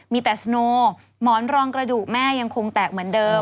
มีแต่สโนหมอนรองกระดูกแม่ยังคงแตกเหมือนเดิม